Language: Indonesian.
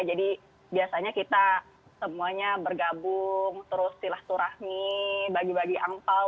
jadi biasanya kita semuanya bergabung terus silah turahmi bagi bagi angpao